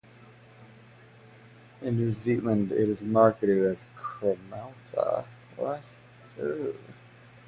In New Zealand, it is marketed as "Kremelta".